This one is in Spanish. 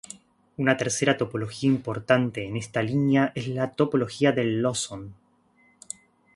Una tercera topología importante en esta línea es la topología de Lawson.